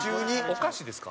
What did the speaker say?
お菓子ですか？